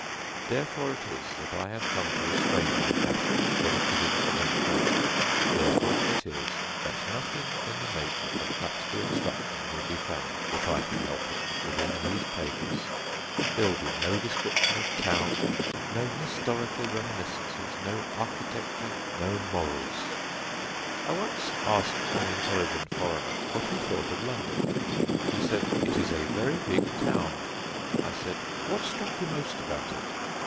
Therefore it is that I have come to restrain my passion for the giving of information; therefore it is that nothing in the nature of practical instruction will be found, if I can help it, within these pages. There will be no description of towns, no historical reminiscences, no architecture, no morals. I once asked an intelligent foreigner what he thought of London. He said: "It is a very big town." I said: "What struck you most about it?"